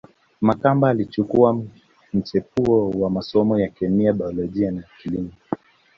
Makamba alichukua mchepuo wa masomo ya kemia baiolojia na kilimo